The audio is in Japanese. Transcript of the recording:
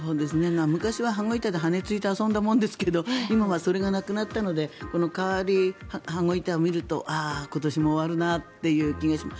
昔は羽子板で羽をついて遊んだものですが今はそれがなくなったのでこの変わり羽子板を見るとああ、今年も終わるなっていう気がします。